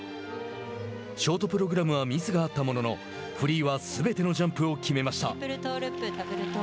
ショートプログラムはミスがあったもののフリーはすべてのジャンプを決めました。